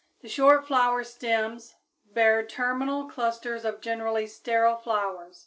The short flower stems bear terminal clusters of generally sterile flowers.